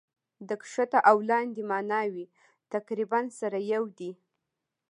د کښته او لاندي ماناوي تقريباً سره يو دي.